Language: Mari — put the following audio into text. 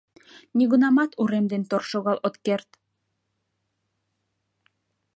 Нигунамат урем ден тор шогал от керт!